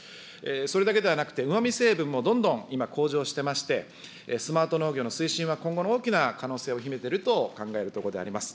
それだけではなくて、うまみ成分もどんどん今、向上してまして、スマート農業の推進は、今後の大きな可能性を秘めてると考えるところであります。